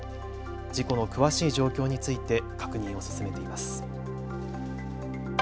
事故の詳しい状況について確認を進めています。